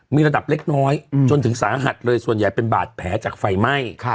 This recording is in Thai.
มีระดับเล็กน้อยจนถึงสาหัสเลยส่วนใหญ่เป็นบาดแผลจากไฟไหม้